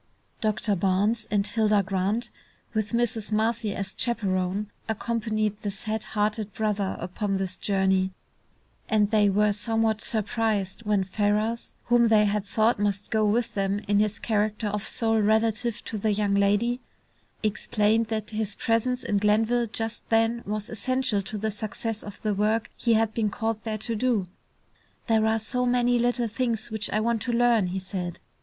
Doctor Barnes and Hilda Grant, with Mrs. Marcy as chaperone, accompanied the sad hearted brother upon this journey, and they were somewhat surprised when Ferrars, whom they had thought must go with them in his character of sole relative to the young lady, explained that his presence in Glenville just then was essential to the success of the work he had been called there to do. "There are so many little things which I want to learn," he said.